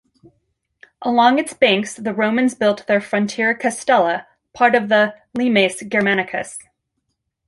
Along its banks the Romans built their frontier castella part of the "Limes Germanicus".